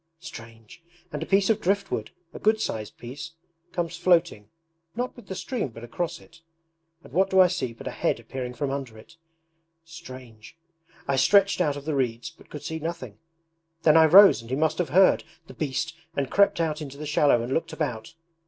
Strange! And a piece of driftwood, a good sized piece, comes floating, not with the stream but across it; and what do I see but a head appearing from under it! Strange! I stretched out of the reeds but could see nothing; then I rose and he must have heard, the beast, and crept out into the shallow and looked about.